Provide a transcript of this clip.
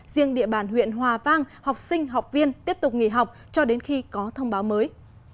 riêng địa bàn huyện hòa vang học sinh học viên tiếp tục nghỉ học cho đến khi có thông báo mới